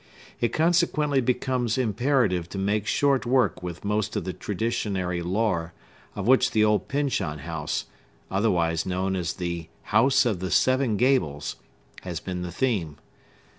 It consequently becomes imperative to make short work with most of the traditionary lore of which the old Pyncheon House, otherwise known as the House of the Seven Gables, has been the theme.